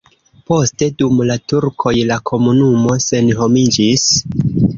Poste dum la turkoj la komunumo senhomiĝis.